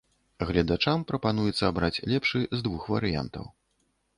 Гледачам прапануецца абраць лепшы з двух варыянтаў.